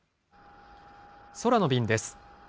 空の便です。